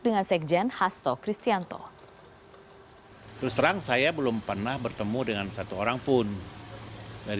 dengan sekjen hasto kristianto terus terang saya belum pernah bertemu dengan satu orang pun dari